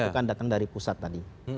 itu kan datang dari pusat tadi